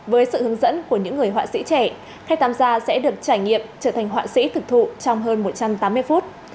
với sự hướng dẫn của những người họa sĩ trẻ khách tham gia sẽ được trải nghiệm trở thành họa sĩ thực thụ trong hơn một trăm tám mươi phút